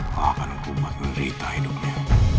ma kan ku buat menderita hidupnya